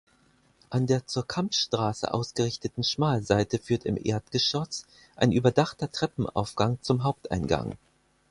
An der zur Kampstraße ausgerichteten Schmalseite führt im Erdgeschoss ein überdachter Treppenaufgang zum Haupteingang.